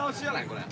これ。